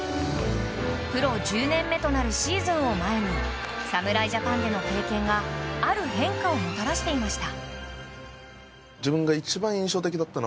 プロ１０年目となるシーズンを前に侍ジャパンでの経験がある変化をもたらしていました。